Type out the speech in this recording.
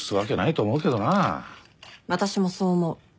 私もそう思う。